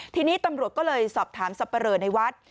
ทีนี้ตำรวจก็เลยสอบถามสับปะเลอในวัด